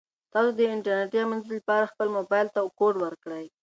تاسو د انټرنیټي امنیت لپاره خپل موبایل ته کوډ ورکړئ.